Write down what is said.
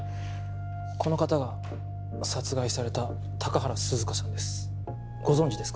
この方が殺害された高原涼香さんです